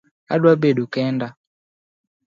Adwa bedo kenda